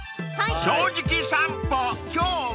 ［『正直さんぽ』今日は］